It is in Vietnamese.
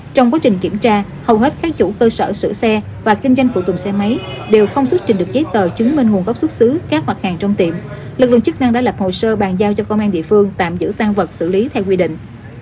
trong quá trình kiểm tra hầu hết các chủ cơ sở sửa xe và kinh doanh phụ tùng xe máy đều không xuất trình được giấy tờ chứng minh nguồn gốc xuất xứ các mặt hàng trong tiệm lực lượng chức năng đã lập hồ sơ bàn giao cho công an địa phương tạm giữ tăng vật xử lý theo quy định